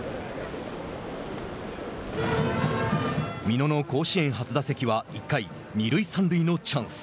美濃の甲子園初打席は１回二塁三塁のチャンス。